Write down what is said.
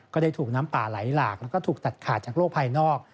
ก็ได้ถูกน้ำป่าไหลหลากแล้วก็ถูกตัดขาดจากโลกภายนอก